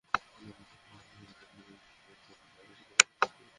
তারপর সামনে তাকিয়ে দেখো, ঈশ্বর সোজা তাকিয়ে আছেন তোমার দিকে।